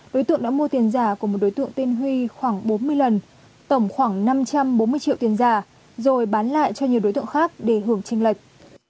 đối tượng đã mua tiền giả của một đối tượng tên huy khoảng bốn mươi lần tổng khoảng năm trăm bốn mươi triệu tiền giả rồi bán lại cho nhiều đối tượng khác để hưởng tranh lệch